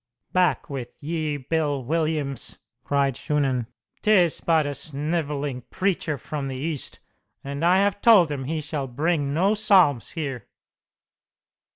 "Back with ye, Bill Williams!" cried Shunan. "'Tis but a sniveling preacher from the East, and I have told him he shall bring no psalms here."